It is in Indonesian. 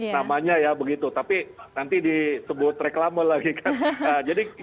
namanya ya begitu tapi nanti disebut reklama lagi kan